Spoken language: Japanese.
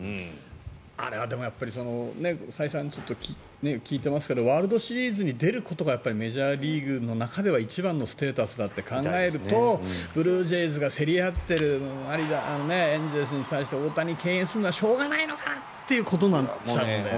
あれは再三聞いてますがワールドシリーズに出ることがメジャーリーグの中では一番のステータスだって考えるとブルージェイズが競り合っているエンゼルスに対して大谷、敬遠するのはしょうがないのかなっていうことなんだよね。